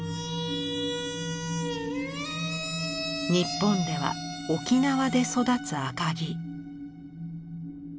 日本では沖縄で育つ赤木。